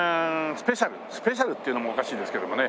スペシャルっていうのもおかしいですけどもね。